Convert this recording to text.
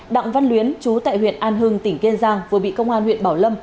đặng văn luyến chú tại huyện an hưng tỉnh kiên giang vừa bị công an huyện bảo lâm